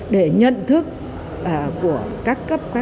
để nhận thức của các cơ quan